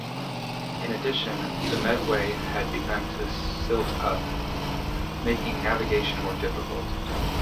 In addition, the Medway had begun to silt up, making navigation more difficult.